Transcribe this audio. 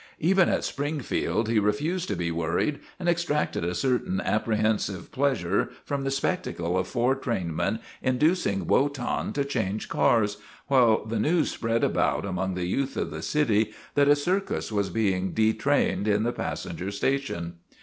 Even at Springfield he refused to be worried and extracted a certain apprehensive pleas ure from the spectacle of four trainmen inducing Wotan to change cars, while the news spread about among the youth of the city that a circus was being detrained in the passenger station.